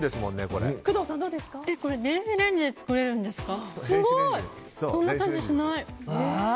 これ電子レンジで作れるんですか？